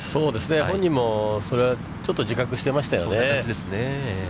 本人もそれはちょっと自覚してましたよね。